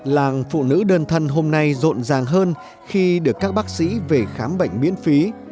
làng phụ nữ đơn thân hôm nay rộn ràng hơn khi được các bác sĩ về khám bệnh miễn phí